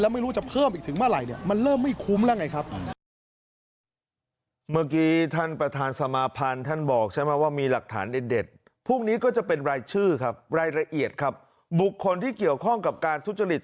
แล้วไม่รู้จะเพิ่มอีกถึงเมื่อไหร่